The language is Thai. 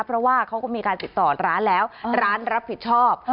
เพราะว่าเขาก็มีการติดต่อร้านแล้วร้านรับผิดชอบ